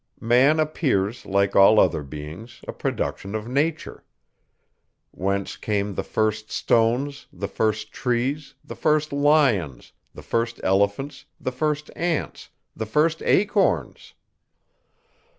Man appears, like all other beings, a production of nature. Whence came the first stones, the first trees, the first lions, the first elephants, the first ants, the first acorns?